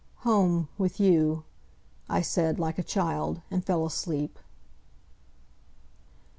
"Home with you," I said, like a child, and fell asleep.